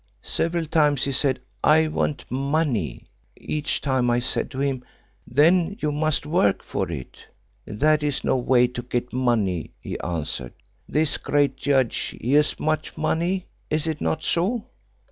Several times he said, 'I want money,' Each time I said to him, 'Then you must work for it,' 'That is no way to get money,' he answered. 'This great judge, he has much money, is it not so?'